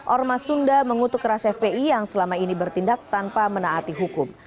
ormas sunda mengutuk keras fpi yang selama ini bertindak tanpa menaati hukum